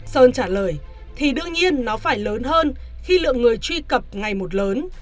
sơn trả lời thì đương nhiên nó phải lớn hơn khi lượng người truy cập ngày một lớn